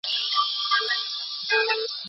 اقتصاد د مالیې او مالی سیاستونو څرنګوالی بیانوي.